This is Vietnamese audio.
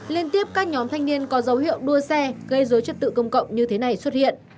liên tiếp các nhóm thanh niên có dấu hiệu đua xe gây dối trật tự công cộng như thế này xuất hiện